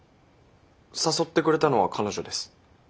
誘ってくれたのは彼女です。